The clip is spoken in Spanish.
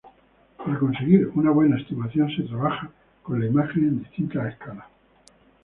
Para conseguir una buena estimación se trabaja con la imagen en distintas escalas.